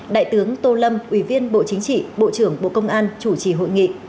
đại tướng tô lâm ủy viên bộ chính trị bộ trưởng bộ công an chủ trì hội nghị